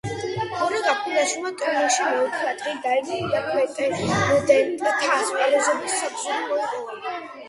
ნონა გაფრინდაშვილმა ტურნირში მეოთხე ადგილი დაიკავა და პრეტენდენტთა ასპარეზობის საგზური მოიპოვა.